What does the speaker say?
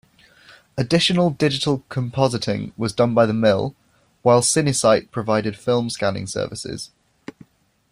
Additional digital compositing was done by The Mill, while Cinesite provided film scanning services.